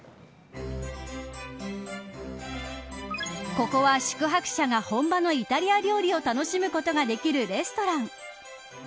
ここは、宿泊者が本場のイタリア料理を楽しむことができるレストラン。